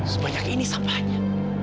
semuanya kayak gini sampahannya